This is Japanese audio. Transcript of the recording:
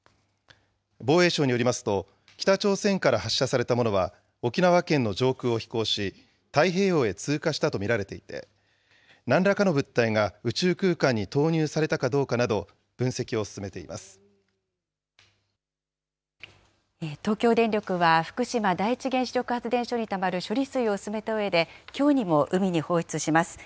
防衛省によりますと、北朝鮮から発射されたものは、沖縄県の上空を飛行し、太平洋へ通過したと見られていて、なんらかの物体が宇宙空間に投入されたかどうかなど、分析を進め東京電力は、福島第一原子力発電所にたまる処理水を薄めたうえできょうにも海に放出します。